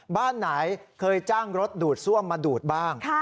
บ้านไหนเคยจ้างรถดูดซ่วมมาดูดบ้าง